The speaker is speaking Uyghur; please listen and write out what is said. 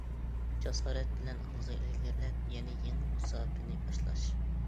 جاسارەت بىلەن ئالغا ئىلگىرىلەپ، يەنە يېڭى مۇساپىنى باشلاش.